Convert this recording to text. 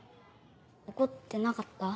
怒ってなかった？